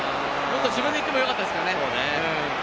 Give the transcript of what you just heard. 自分で行ってもよかったですよね。